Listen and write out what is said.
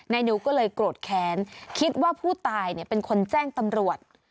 นิวก็เลยโกรธแค้นคิดว่าผู้ตายเป็นคนแจ้งตำรวจ